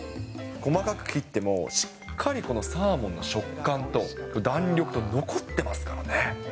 細かく切ってもしっかりこのサーモンの食感と、弾力と残ってますからね。